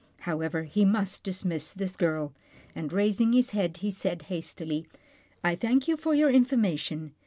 However, he must dismiss this girl, and, raising his head, he said hastily, " I thank you for your in formation.